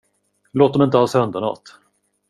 Låt dem inte ha sönder nåt.